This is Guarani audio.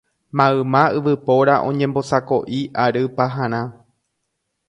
mayma yvypóra oñembosako'i ary paharã